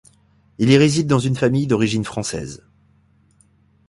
Il y réside dans une famille d’origine française.